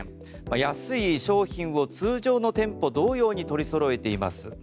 安い商品を通常の店舗同様に取り揃えています。